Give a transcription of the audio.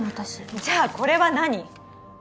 じゃあこれは何？